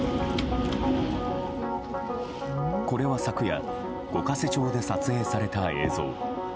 これは昨夜五ヶ瀬町で撮影された映像。